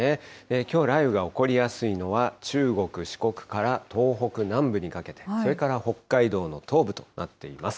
きょう、雷雨が起こりやすいのは中国、四国から東北南部にかけて、それから北海道の東部となっています。